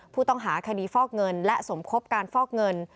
ผู้ต้องหาคดีฟอกเงินและสมคบการฟอกเงิน